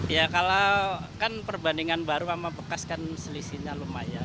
ya kalau kan perbandingan baru sama bekas kan selisihnya lumayan